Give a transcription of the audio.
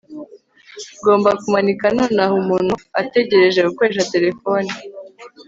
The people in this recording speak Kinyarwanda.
ngomba kumanika nonaha umuntu ategereje gukoresha terefone